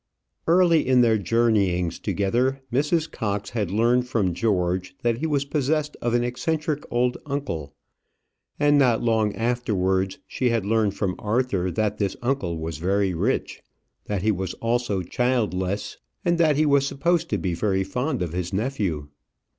Early in their journeyings together, Mrs. Cox had learned from George that he was possessed of an eccentric old uncle; and not long afterwards, she had learned from Arthur that this uncle was very rich, that he was also childless, and that he was supposed to be very fond of his nephew.